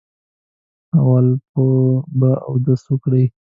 اول به اودس وکړئ.